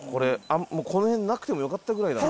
もうこの辺なくてもよかったぐらいだな。